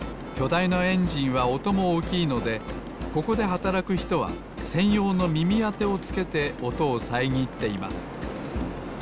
いなエンジンはおともおおきいのでここではたらくひとはせんようのみみあてをつけておとをさえぎっています。